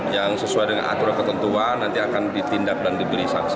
yang sesuai dengan aturan ketentuan nanti akan ditindak dan diberi saksi